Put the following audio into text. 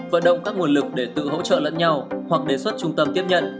vận động các nguồn lực để tự hỗ trợ lẫn nhau hoặc đề xuất trung tâm tiếp nhận